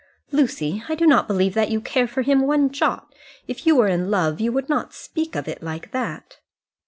"Lucy, I do not believe that you care for him one jot. If you were in love you would not speak of it like that."